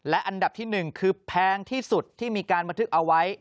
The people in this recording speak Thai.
และอันดับที่๑คือแพงที่สุดที่มีการบันทึกเอาไว้